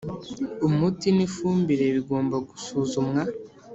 umuti n’ifumbire bigomba gusuzumwa